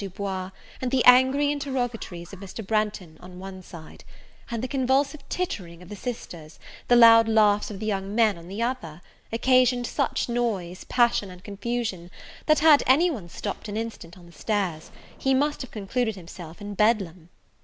Du Bois, and the angry interrogatories of Mr. Branghton, on one side; the convulsive tittering of the sisters, and the loud laughs of the young men, on the other, occasioned such noise, passion and confusion, that had any one stopped an instant on the stairs, he must have concluded himself in Bedlam.